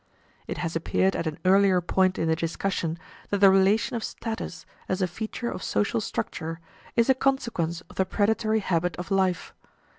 It has appeared at an earlier point in the discussion that the relation of status, as a feature of social structure, is a consequence of the predatory habit of life.